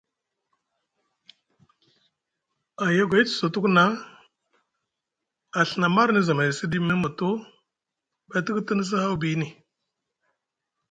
Ahiyogoy te sa tuku na a Ɵina marni zamay siɗi miŋ moto ɓa e tilitini haw biini.